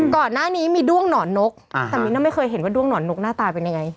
ก่อนหน้านี้มีด้วงหนอนนกแต่มิ้นไม่เคยเห็นว่าด้วงหนอนนกหน้าตาเป็นยังไง